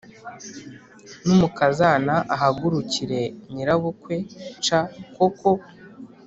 numukazana ahagurukire nyirabukwe c koko